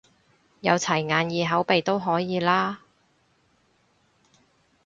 有齊眼耳口鼻都可以啦？